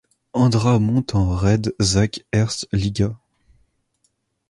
Andrä monte en Red Zac Erste Liga.